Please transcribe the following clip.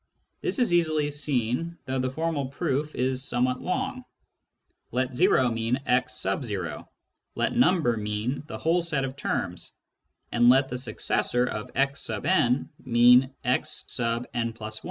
This is easily seen, though the formal proof is some what long. Let " o " mean x , let " number " mean the whole set of terms, and let the " successor " of x n mean x n+1 .